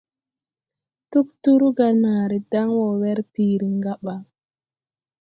Tugturu ga naaré daŋ wɔ werpiiri ngaba.